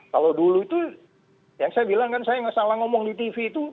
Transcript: kalau dulu itu yang saya bilang kan saya nggak salah ngomong di tv itu